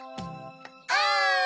お！